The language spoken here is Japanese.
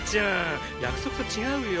約束と違うよ！